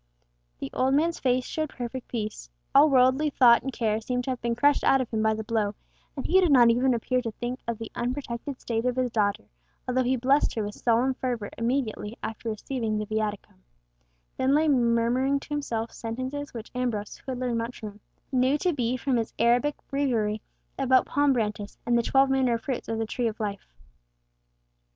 The old man's face showed perfect peace. All worldly thought and care seemed to have been crushed out of him by the blow, and he did not even appear to think of the unprotected state of his daughter, although he blessed her with solemn fervour immediately after receiving the Viaticum—then lay murmuring to himself sentences which Ambrose, who had learnt much from him, knew to be from his Arabic breviary about palm branches, and the twelve manner of fruits of the Tree of Life.